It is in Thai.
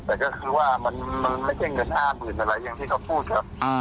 แต่ก็คือว่ามันมันไม่เกี่ยวกับทางอื่นอะไรอย่างที่เขาพูดครับอ่า